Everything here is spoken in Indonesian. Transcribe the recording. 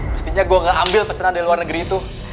mestinya gue gak ambil pesanan dari luar negeri itu